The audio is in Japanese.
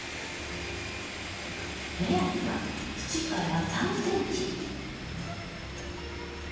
目安は縁から３ｃｍ。